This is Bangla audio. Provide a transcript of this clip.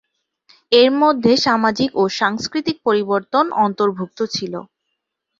এর মধ্যে সামাজিক ও সাংস্কৃতিক পরিবর্তন অন্তর্ভুক্ত ছিল।